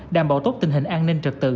đảm bảo tốt tình hình an ninh trật tự